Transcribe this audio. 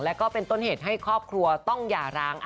แล้วก็เป็นต้นเหตุให้ครอบครัวต้องหย่าร้าง